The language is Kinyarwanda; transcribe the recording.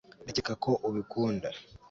ndakeka ko ubikunda